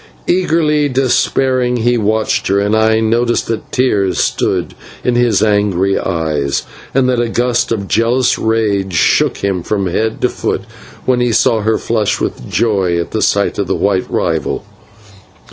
Eagerly, despairingly, he watched her, and I noticed that tears stood in his angry eyes, and that a gust of jealous rage shook him from head to foot when he saw her flush with joy at the sight of his white rival.